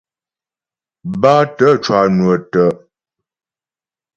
Bátə̀ cwànwə̀ tə'.